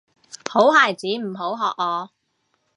好孩子唔好學我